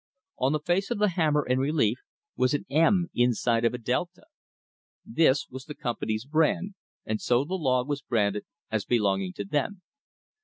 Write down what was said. On the face of the hammer in relief was an M inside of a delta. This was the Company's brand, and so the log was branded as belonging to them.